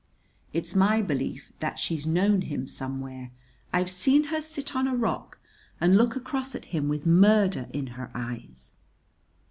It's my belief that she's known him somewhere. I've seen her sit on a rock and look across at him with murder in her eyes."